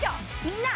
みんな。